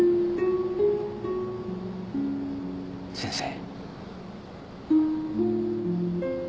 先生。